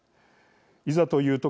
いざという時